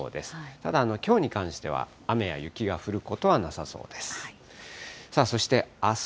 ただきょうに関しては雨や雪が降ることはなさそうです。